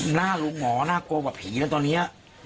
หน้าลุงหมอน่ากลัวแบบผีตอนนี้